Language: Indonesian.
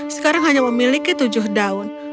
sekarang hanya memiliki tujuh daun